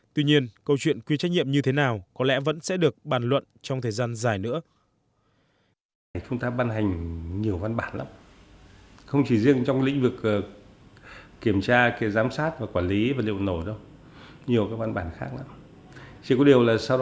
tuy nhiên câu chuyện quy trách nhiệm như thế nào có lẽ vẫn sẽ được bàn luận trong thời gian dài nữa